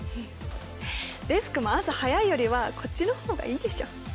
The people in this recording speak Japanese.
デスクも朝早いよりはこっちの方がいいでしょ。